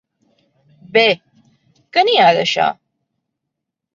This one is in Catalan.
Bé, què n'hi ha d'això?